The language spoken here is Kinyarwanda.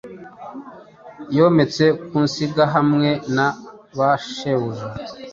Yometse ku nsingahamwe na ba shebuja